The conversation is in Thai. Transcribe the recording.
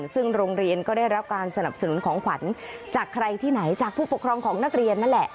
ซึ่งโรงเรียนก็ได้รับการสนับสนุนของขวัญจากใครที่ไหนจากผู้ปกครองของนักเรียนนั่นแหละ